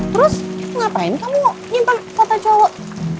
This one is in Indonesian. terus ngapain kamu nyimpang kota jawa